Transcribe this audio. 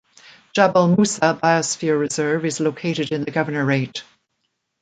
Jabal Moussa Biosphere Reserve is located in the governorate.